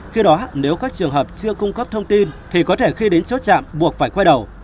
khi đó nếu các trường hợp chưa cung cấp thông tin thì có thể khi đến chốt trạm buộc phải quay đầu